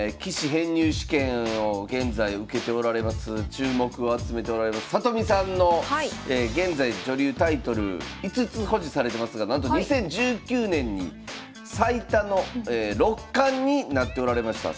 注目を集めておられます里見さんの現在女流タイトル５つ保持されてますがなんと２０１９年に最多の六冠になっておられました。